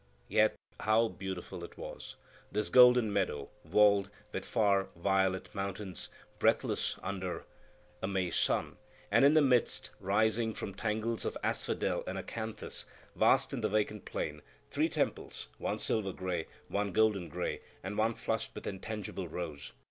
Yet how beautiful it was! this golden meadow walled with far, violet mountains, breathless under a May sun; and in the midst, rising from tangles of asphodel and acanthus, vast in the vacant plain, three temples, one silver gray, one golden gray, and one flushed with intangible rose.